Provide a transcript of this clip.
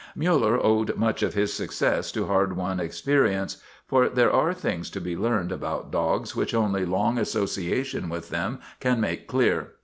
Miiller owed much of his success to hard won experience, for there are things to be learned about dogs which only long association with them can make clear.